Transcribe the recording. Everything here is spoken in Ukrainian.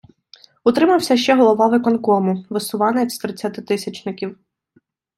Утримався ще голова виконкому, висуванець з тридцятитисячників.